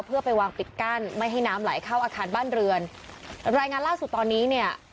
เพื่อไปวางปิดกั้นไม่ให้น้ำไหลเข้าอาคารบ้านเรือนรายงานล่าสุดตอนนี้เนี่ย